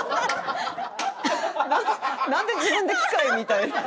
なんで自分で機械みたいに。